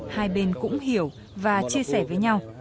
hai bên cũng hiểu và chia sẻ với nhau